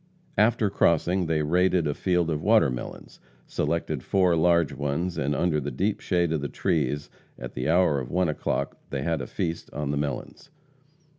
After crossing, they raided a field of watermelons, selected four large ones, and under the deep shade of the trees, at the hour of one o'clock, they had a feast on the melons.